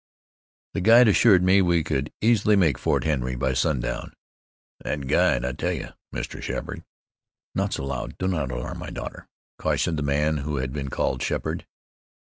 "The guide assured me we could easily make Fort Henry by sundown." "Thet guide! I tell ye, Mr. Sheppard " "Not so loud. Do not alarm my daughter," cautioned the man who had been called Sheppard.